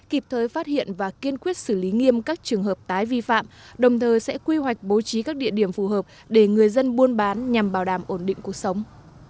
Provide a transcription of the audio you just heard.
kịp thời phát hiện và kiên quyết xử lý nghiêm các trường hợp tái vi phạm đồng thời sẽ quy hoạch bố trí các địa điểm phù hợp để người dân buôn bán nhằm bảo đảm ổn định cuộc sống